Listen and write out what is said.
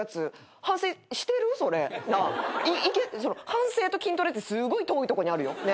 反省と筋トレってすごい遠いとこにあるよ。